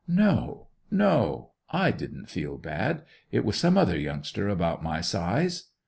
No, no! I didn't feel bad; it was some other youngster about my size.